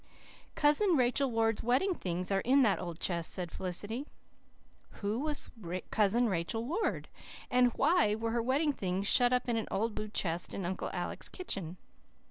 "Cousin Rachel Ward's wedding things are all in that old chest," said Felicity. Who was Cousin Rachel Ward? And why were her wedding things shut up in an old blue chest in Uncle Alec's kitchen?